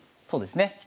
そうですね。